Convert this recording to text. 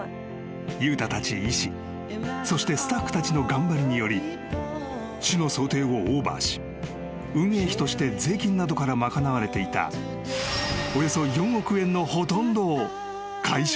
［悠太たち医師そしてスタッフたちの頑張りにより市の想定をオーバーし運営費として税金などから賄われていたおよそ］